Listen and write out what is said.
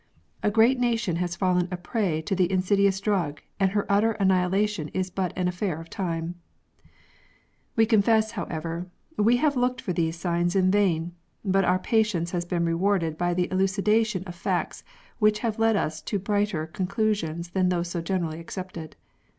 A great nation has fallen a prey to the in sidious drug, and her utter annihilation is but an affair of time ! We confess, however, we have looked for these signs in vain ; but our patience has been rewarded by the elucidation of facts which have led us to brighter con clusions than those so generally accepted.